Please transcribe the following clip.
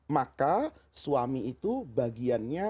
maka suami itu bagiannya